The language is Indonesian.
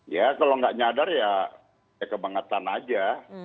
ya kalau nggak nyadar ya kebangetan aja